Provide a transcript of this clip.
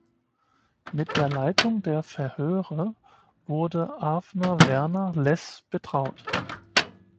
Mit der Leitung der Verhöre wurde Avner Werner Less betraut.